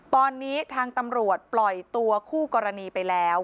ตอนนี้ทางตำรวจปล่อยตัวคู่กรณีไปแล้ว